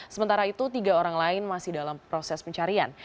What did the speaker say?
sementara itu tiga orang lain masih dalam proses pencarian